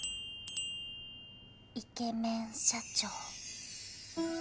イケメン社長